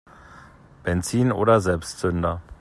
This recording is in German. Benzin oder Selbstzünder?